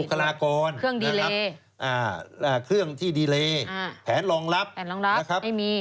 บุคลากรนะครับเครื่องดีเลย์อ่าเครื่องที่ดีเลย์แผนรองรับแผนรองรับให้มี